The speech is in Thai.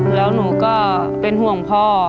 แล้วหนูก็เป็นห่วงพ่อ